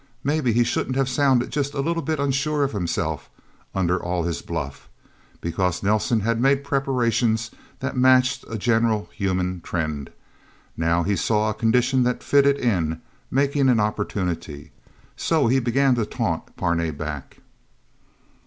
Maybe he shouldn't have sounded just a little bit unsure of himself under all his bluff. Because Nelsen had made preparations that matched a general human trend. Now, he saw a condition that fitted in, making an opportunity... So he began to taunt Parnay back.